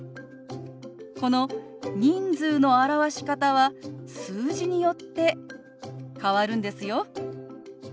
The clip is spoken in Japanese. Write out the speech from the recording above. この人数の表し方は数字によって変わるんですよ。